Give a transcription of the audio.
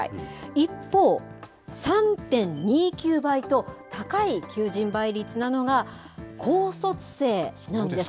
一方、３．２９倍と、高い求人倍率なのが高卒生なんです。